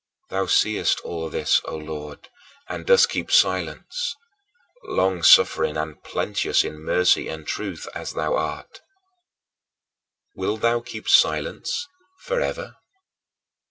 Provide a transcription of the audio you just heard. Thou seest all this, O Lord, and dost keep silence "long suffering, and plenteous in mercy and truth" as thou art. Wilt thou keep silence forever?